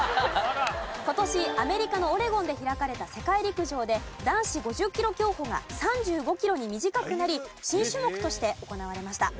今年アメリカのオレゴンで開かれた世界陸上で男子５０キロ競歩が３５キロに短くなり新種目として行われました。